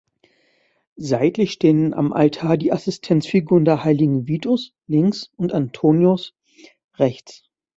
Seitlich stehen am Altar die Assistenzfiguren der Heiligen Vitus (links) und Antonius (rechts).